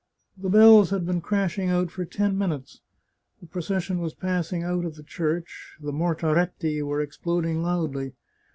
The bells had been crashing out for ten minutes, the procession was passing out of the church, the ntortaretti were exploding loudly.